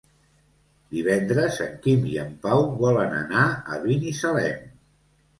Divendres en Quim i en Pau volen anar a Binissalem.